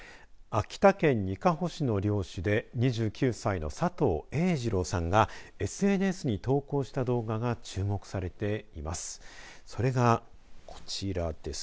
秋田県にかほ市の漁師で２９歳の佐藤栄治郎さんがＳＮＳに投稿した動画が注目されています。